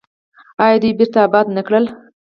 آیا دوی بیرته اباد نه کړل؟